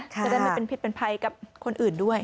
จะได้ไม่เป็นผิดเป็นภัยกับคนอื่นด้วย